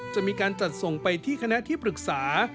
จะมีการจัดส่งไปที่คณะที่ปรึกษา